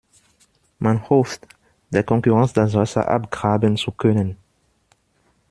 Man hofft, der Konkurrenz das Wasser abgraben zu können.